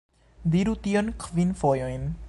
Diru tion kvin fojojn